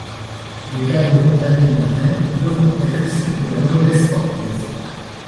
Les dames de compagnies de la reine devront être issues de la noblesse portugaise.